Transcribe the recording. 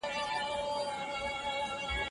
زه کولای سم کالي مينځم.